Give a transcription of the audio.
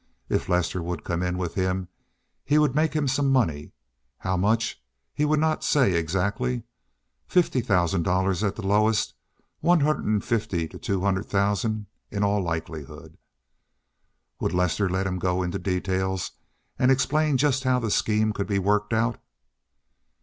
If Lester would come in with him he would make him some money—how much he would not say exactly—fifty thousand dollars at the lowest—one hundred and fifty to two hundred thousand in all likelihood. Would Lester let him go into details, and explain just how the scheme could be worked out?